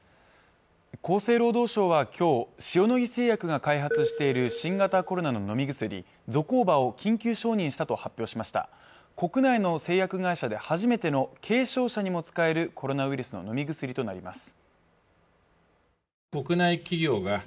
厚生労働省はきょう塩野義製薬が開発している新型コロナの飲み薬ゾコーバを緊急承認したと発表しました国内の製薬会社で初めての軽症者にも使えるコロナウイルスののみ薬となります